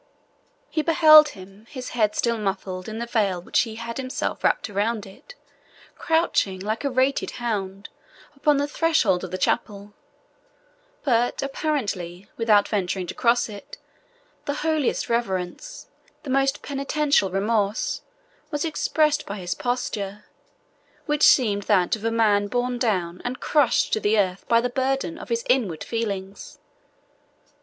He beheld him, his head still muffled in the veil which he had himself wrapped around it, crouching, like a rated hound, upon the threshold of the chapel; but, apparently, without venturing to cross it the holiest reverence, the most penitential remorse, was expressed by his posture, which seemed that of a man borne down and crushed to the earth by the burden of his inward feelings.